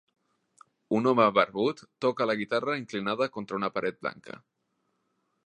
Un home barbut toca la guitarra inclinada contra una paret blanca.